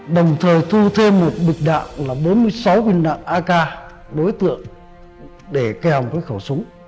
đồng thời thu thêm một bịch đạn là bốn mươi sáu viên đạn ak đối tượng để kèo một cái khẩu súng